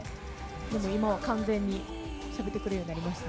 でも今は完全に喋ってくれるようになりました。